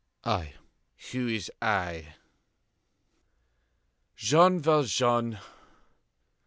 "I." "Who is 'I'?" "Jean Valjean."